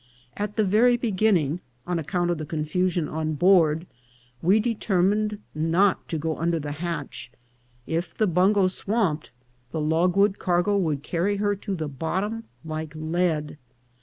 At the very beginning, on account of the confusion on board, we determined not to go under the hatch ; if the bungo swamped, the logwood cargo would carry her to the "bottom like lead.